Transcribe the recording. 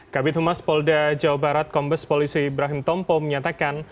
kabit humas polda jawa barat kombes polisi ibrahim tompo menyatakan